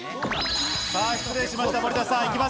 失礼しました、森田さん。